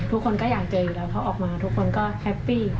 ทุกคนก็อยากเจออยู่แล้วเพราะออกมาทุกคนก็แฮปปี้ค่ะ